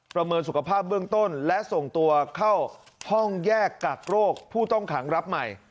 เมินสุขภาพเบื้องต้นและส่งตัวเข้าห้องแยกกักโรคผู้ต้องขังรับใหม่